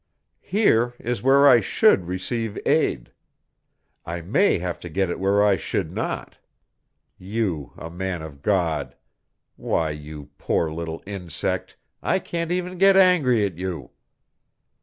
Here is where I should receive aid. I may have to get it where I should not. You a man of God! Why, you poor little insect, I can't even get angry at you!"